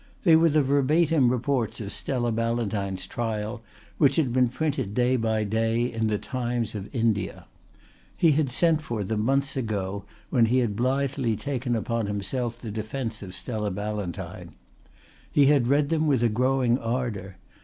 They were the verbatim reports of Stella Ballantyne's trial, which had been printed day by day in the Times of India. He had sent for them months ago when he had blithely taken upon himself the defence of Stella Ballantyne. He had read them with a growing ardour.